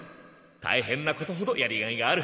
たいへんなことほどやりがいがある。